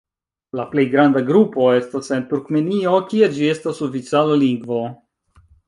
La plej granda grupo estas en Turkmenio kie ĝi estas oficiala lingvo.